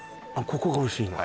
ここがおいしいの？